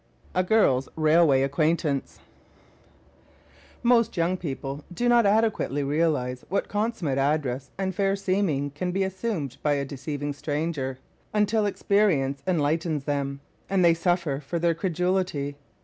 A GIRL'S RAILWAY ACQUAINTANCE Most young people do not adequately realize what consummate address and fair seeming can be assumed by a deceiving stranger until experience enlightens them, and they suffer for their credulity.